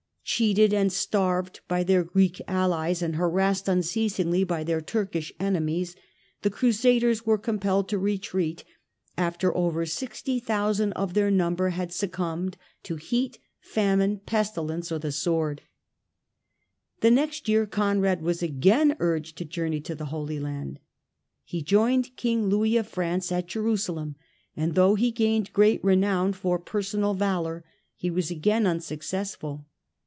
Cheated and starved by their Greek allies and harassed unceasingly by their Turkish enemies, the Crusaders were compelled to retreat, after over 60,000 of their number had succumbed to heat, famine, pesti lence, or the sword. The next year Conrad was again urged to journey to the Holy Land. He joined King Louis of France at Jerusalem, and though he gained great renown for personal valour, he was again unsuccessful.